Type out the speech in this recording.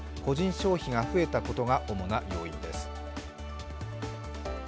消費が増えたことが主な要因です。